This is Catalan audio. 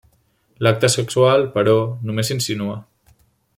L'acte sexual, però, només s'insinua.